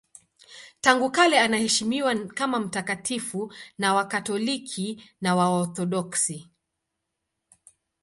Tangu kale anaheshimiwa kama mtakatifu na Wakatoliki na Waorthodoksi.